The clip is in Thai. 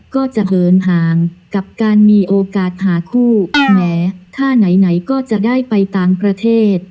ก็จะเหินห่างกับการมีโอกาสหาคู่แม้ถ้าไหนไหนก็จะได้ไปต่างประเทศ